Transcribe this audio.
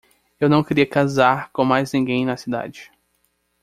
Eu não queria casar com mais ninguém na cidade.